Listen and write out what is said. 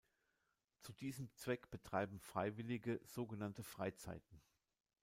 Zu dem Zweck betreiben Freiwillige sogenannte "Freizeiten.